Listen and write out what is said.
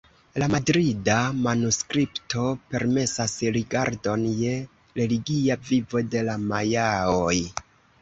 La Madrida manuskripto permesas rigardon je religia vivo de la majaoj.